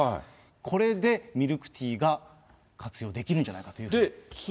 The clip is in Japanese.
これでミルクティーが活用できるんじゃないかという。